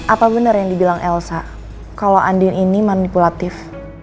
apa bener yang dibilang elsa kalau andien ini manipulatif